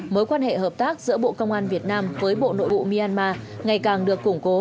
mối quan hệ hợp tác giữa bộ công an việt nam với bộ nội vụ myanmar ngày càng được củng cố